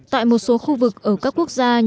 tại một số khu vực ở các quốc gia